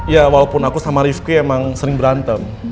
ya walaupun aku sama rifki emang sering berantem